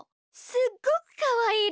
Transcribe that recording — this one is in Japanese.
すっごくかわいいで。